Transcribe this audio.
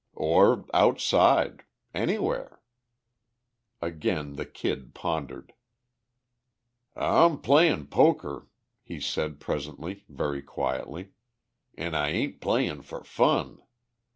"Or outside. Anywhere." Again the Kid pondered. "I'm playin' poker," he said presently, very quietly. "An' I ain't playin' for fun.